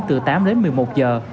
từ tám đến một mươi một giờ